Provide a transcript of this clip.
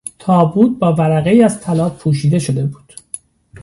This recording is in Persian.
تابوت با ورقهای از طلا پوشیده شده بود.